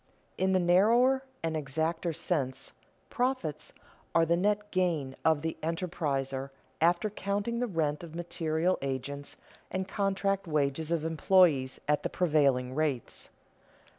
_In the narrower and exacter sense profits are the net gain of the enterpriser after counting the rent of material agents and contract wages of employees at the prevailing rates.